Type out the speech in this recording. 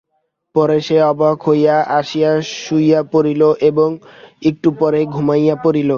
পরে সে অবাক হইয়া আসিয়া শুইয়া পড়িল এবং একটু পরেই ঘুমাইয়া পড়িল।